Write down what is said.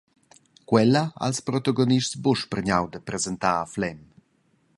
Quella han ils protagonists buca spargnau da presentar a Flem.